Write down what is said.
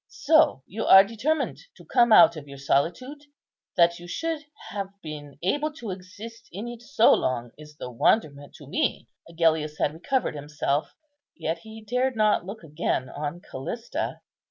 So you are determined to come out of your solitude? That you should have been able to exist in it so long is the wonderment to me." Agellius had recovered himself, yet he dared not look again on Callista.